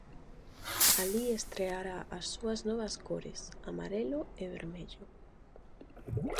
Alí estreará as súas novas cores, amarelo e vermello.